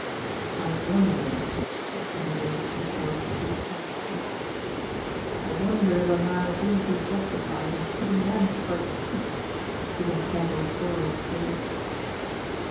"I wonder," said Jimmie Dale to himself through set teeth, "I wonder if a man wouldn't be justified in putting an end for keeps to that devil Thorold for this!"